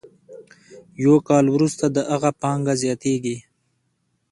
یو کال وروسته د هغه پانګه زیاتېږي